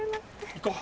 行こう。